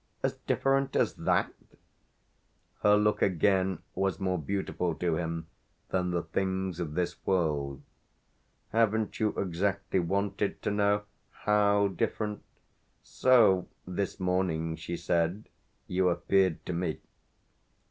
"As different as that ?" Her look again was more beautiful to him than the things of this world. "Haven't you exactly wanted to know how different? So this morning," she said, "you appeared to me."